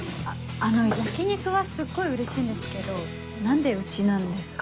あの焼き肉はすっごいうれしいんですけど何でうちなんですか？